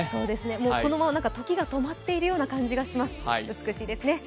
もうこのままときが止まっているような感じがします、美しいですね。